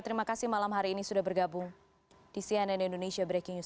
terima kasih malam hari ini sudah bergabung di cnn indonesia breaking news